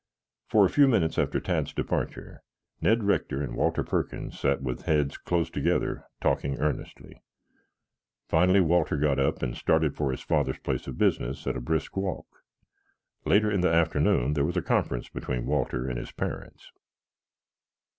For a few minutes after Tad's departure, Ned Rector and Walter Perkins sat with heads closed together, talking earnestly. Finally Walter got up and started for his father's place of business at a brisk walk. Later in the afternoon there was a conference between Walter and his parents.